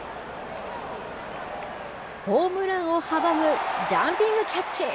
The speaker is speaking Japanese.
ホームランを阻むジャンピングキャッチ。